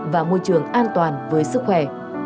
và môi trường an toàn với sức khỏe